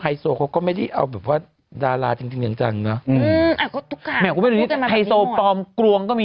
แต่ก้มาเป็นแฟนราคีคือเป็นฮัยโซ